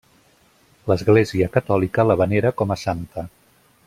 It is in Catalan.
L'Església Catòlica la venera com a santa.